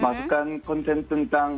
masukkan konten tentang